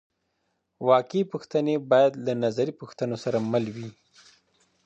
واقعي پوښتنې باید له نظري پوښتنو سره مل وي.